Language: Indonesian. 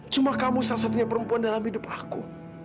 cuma kamu salah satunya perempuan dalam hidup aku